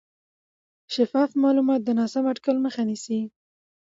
شفاف معلومات د ناسم اټکل مخه نیسي.